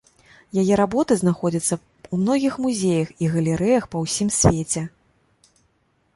Яе работы знаходзяцца ў многіх музеях і галерэях па ўсім свеце.